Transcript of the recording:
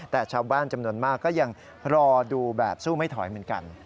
แต่ชาวบ้านจำนวนมากก็ยังรอดูแบบสู้ไม่ถอยเหมือนกัน